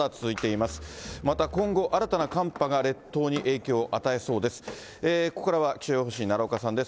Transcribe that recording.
また今後、新たな寒波が列島に影響を与えそうです。